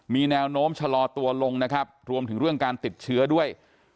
มีแนวโน้มชะลอตัวลงนะครับรวมถึงเรื่องการติดเชื้อด้วย